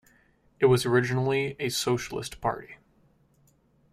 It was originally a socialist party.